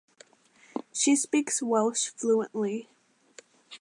She speaks Welsh fluently.